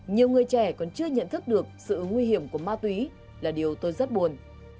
nhiều người trẻ còn chưa nhận thức được sự nguy hiểm của ma túy là điều tôi rất buồn